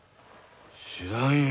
知らんよ。